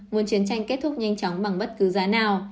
nguồn chiến tranh kết thúc nhanh chóng bằng bất cứ giá nào